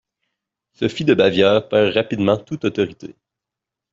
Sophie de Bavière perd rapidement toute autorité.